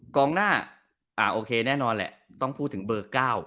กองหน้าอ่าโอเคแน่นอนแหละต้องพูดถึงเบอร์๙